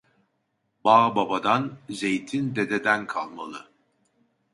Bağ babadan, zeytin dededen kalmalı.